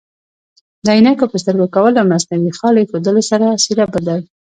د عینکو په سترګو کول او مصنوعي خال ایښودلو سره څیره بدل